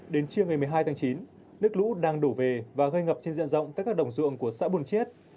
đến chiều ngày một mươi hai tháng chín nước lũ đang đổ về và gây ngập trên diện rộng các đồng dụng của xã buồn chiết